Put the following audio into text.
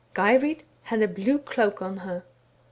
Geirrid had a blue cloak on her.